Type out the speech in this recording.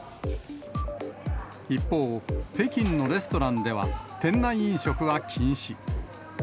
一方、北京のレストランでは、店内飲食は禁止。